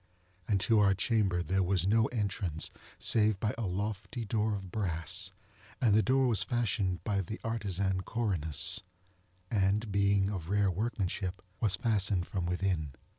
And to our chamber there was no entrance save by a lofty door of brass: and the door was fashioned by the artisan Corinnos, and, being of rare workmanship, was fastened from within.